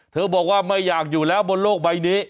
บอกว่าไม่อยากอยู่แล้วบนโลกใบนี้